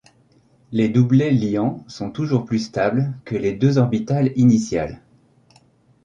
Les doublets liants sont toujours plus stables que les deux orbitales initiales.